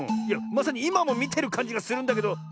いやまさにいまもみてるかんじがするんだけど。